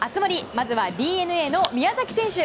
まずはＤｅＮＡの宮崎選手。